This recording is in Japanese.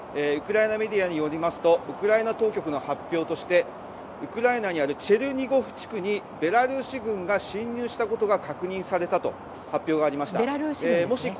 ウクライナメディアによりますとウクライナ当局の発表としてウクライナにあるチェルニゴフ地区にベラルーシ軍が侵入したことが確認されたと発表がありました。